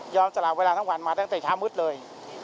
สละเวลาทั้งวันมาตั้งแต่เช้ามืดเลย